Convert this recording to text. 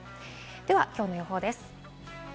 きょうの予報です。